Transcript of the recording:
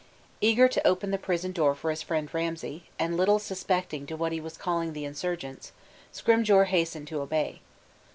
Eager to open the prison door for his friend Ramsay, and little suspecting to what he was calling the insurgents, Scrymgeour hastened to obey.